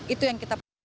itu yang kita perhatikan